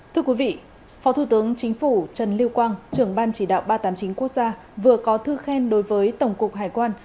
thưa quý vị phó thủ tướng chính phủ trần lưu quang trưởng ban chỉ đạo ba trăm tám mươi chín quốc gia vừa có thư khen đối với tổng cục hải quan